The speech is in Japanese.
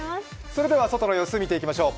外の様子を見ていきましょう。